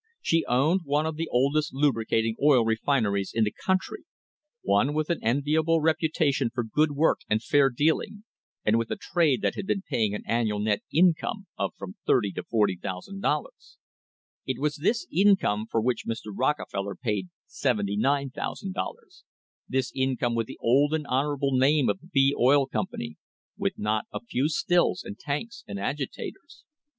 She owned one of the oldest lubricating oil refineries in the country, one with an enviable reputation for good work and fair dealing, and with a trade that had been paying an annual net income of from $30,000 to $40,000. It was this income for which Mr. Rocke feller paid $79,000; this income with the old and honourable name of the B Oil Company, with not a few stills and tanks and agitators.